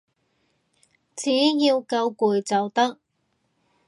只要夠攰就得